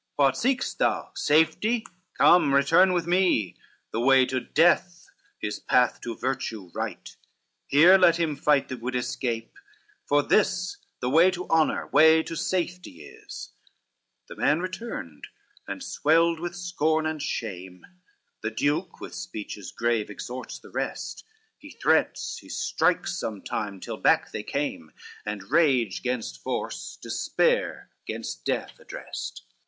What seek'st thou? safety? come, return with me, The way to death is path to virtue right, Here let him fight that would escape; for this The way to honor, way to safety is." CXI The man returned and swelled with scorn and shame, The duke with speeches grave exhorts the rest; He threats, he strikes sometime, till back they came, And rage gainst force, despair gainst death addressed.